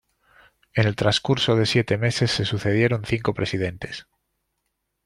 En el transcurso de siete meses se sucedieron cinco presidentes.